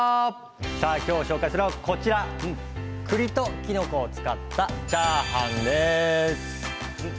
今日ご紹介するのはくりときのこを使ったチャーハンです。